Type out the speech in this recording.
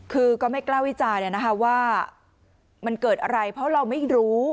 คือก็ไม่กล้าวิจารณ์ว่ามันเกิดอะไรเพราะเราไม่รู้